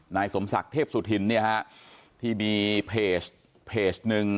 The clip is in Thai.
นายสมศักดิ์เทพสุธินที่มีเพจหนึ่ง